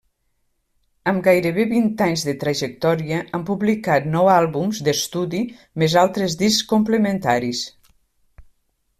Amb gairebé vint anys de trajectòria, han publicat nou àlbums d'estudi més altres discs complementaris.